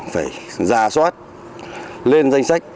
phải ra soát lên danh sách